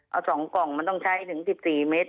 เอา๒กล่องมันต้องใช้ถึง๑๔เมตร